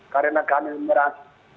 karena kami meras